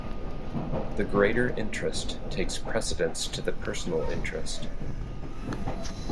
The greater interest takes precedence to the personal interest.